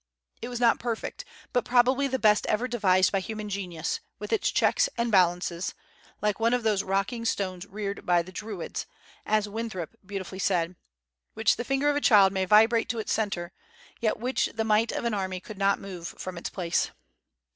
It was not perfect, but probably the best ever devised by human genius, with its checks and balances, "like one of those rocking stones reared by the Druids," as Winthrop beautifully said, "which the finger of a child may vibrate to its centre, yet which the might of an army cannot move from its place."